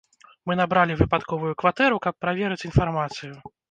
Мы набралі выпадковую кватэру, каб праверыць інфармацыю.